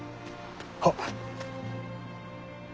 はっ。